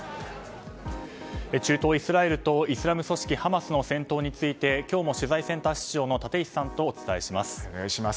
中東イスラエルとイスラム組織ハマスの戦闘について今日も、取材センター室長の立石さんとお伝えします。